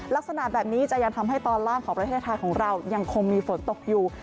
ลักษณะแบบนี้จะยังทำให้ตอนล่างของประเทศไทยของเรายังคงมีฝนตกอยู่